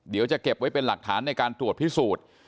เดี๋ยวจะเก็บไว้เป็นหลักฐานในการตรวจพิสูจน์